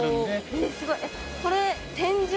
えっすごいこれ。